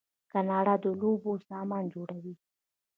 کاناډا د لوبو سامان جوړوي.